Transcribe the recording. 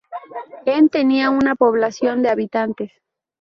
En tenía una población de habitantes.